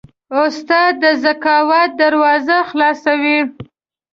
استاد د ذکاوت دروازه خلاصوي.